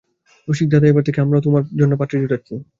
রসিকদাদা, এবার থেকে আমরাও তোমার জন্যে পাত্রী জোটাচ্ছি।